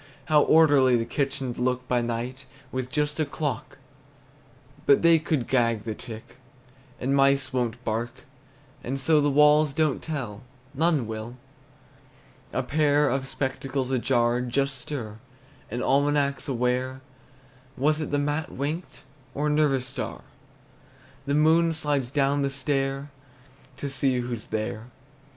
How orderly the kitchen 'd look by night, With just a clock, But they could gag the tick, And mice won't bark; And so the walls don't tell, None will. A pair of spectacles ajar just stir An almanac's aware. Was it the mat winked, Or a nervous star? The moon slides down the stair To see who's there.